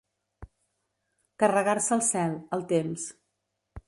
Carregar-se el cel, el temps.